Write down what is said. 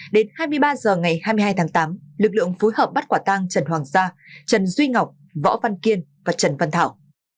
đến hai mươi ba h ngày hai mươi hai tháng tám lực lượng phối hợp bắt quả tang trần hoàng sa trần duy ngọc võ văn kiên và trần văn thảo